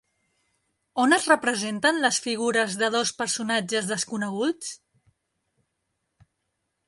On es representen les figures de dos personatges desconeguts?